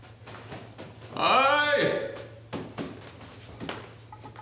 はい！